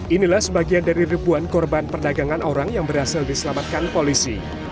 inilah sebagian dari ribuan korban perdagangan orang yang berhasil diselamatkan polisi